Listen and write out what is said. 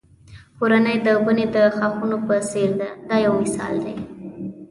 کورنۍ د ونې د ښاخونو په څېر ده دا یو مثال دی.